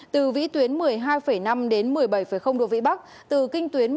từ vĩ tuyến một mươi hai năm đến một mươi bảy độ vĩ bắc từ kinh tuyến một trăm một mươi một